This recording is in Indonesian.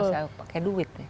nggak usah pake duit